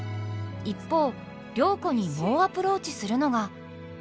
一方良子に猛アプローチするのが。